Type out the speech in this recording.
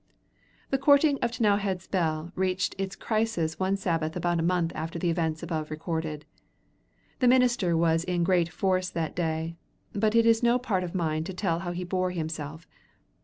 The courting of T'nowhead's Bell reached its crisis one Sabbath about a month after the events above recorded. The minister was in great force that day, but it is no part of mine to tell how he bore himself.